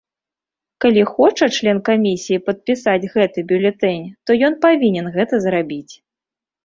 Калі хоча член камісіі падпісаць гэты бюлетэнь, то ён павінен гэта зрабіць.